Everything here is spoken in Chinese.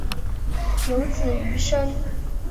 有子俞深。